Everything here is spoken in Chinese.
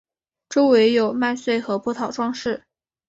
周围有麦穗和葡萄装饰。